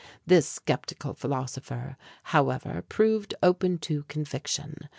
This sceptical philosopher, however, proved open to conviction.